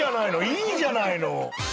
いいじゃないの。